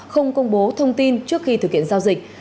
không công bố thông tin trước khi thực hiện giao dịch